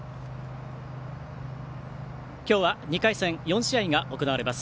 今日は２回戦４試合が行われます。